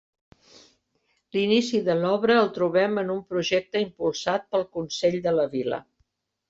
L'inici de l'obra el trobem en un projecte impulsat pel consell de la vila.